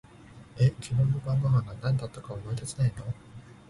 え、昨日の晩御飯が何だったか思い出せないの？